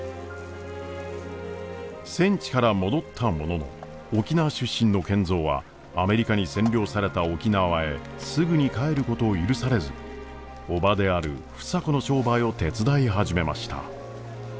戦地から戻ったものの沖縄出身の賢三はアメリカに占領された沖縄へすぐに帰ることを許されず叔母である房子の商売を手伝い始めました。